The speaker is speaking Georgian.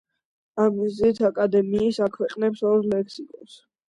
ამ მიზნით აკადემიის აქვეყნებს ორ ლექსიკონს.